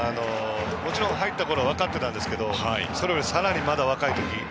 もちろん入ったころは分かっていましたがそれよりさらにまだ若い時。